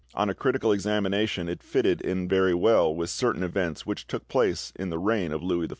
On a critical examination it fitted in very well with certain events which took place in the reign of Louis XIV.